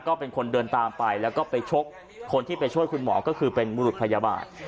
ก็เป็นคนเดินตามไปแล้วก็ไปชกคนที่ไปช่วยคุณหมอก็คือเป็นบุรุษพยาบาล